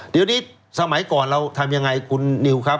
เดี๋ยวนี้สมัยก่อนเราทำยังไงคุณนิวครับ